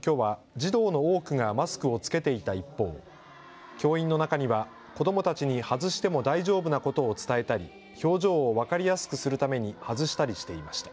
きょうは児童の多くがマスクを着けていた一方、教員の中には子どもたちに外しても大丈夫なことを伝えたり表情を分かりやすくするために外したりしていました。